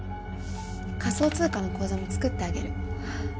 仮想通貨の口座も作ってあげる。